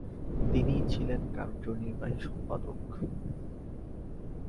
তিনিই ছিলেন কার্যনির্বাহী সম্পাদক।